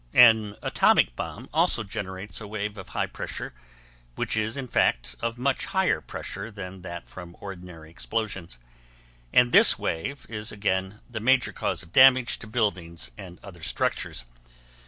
An atomic bomb also generates a wave of high pressure which is in fact of, much higher pressure than that from ordinary explosions; and this wave is again the major cause of damage to buildings and other structures.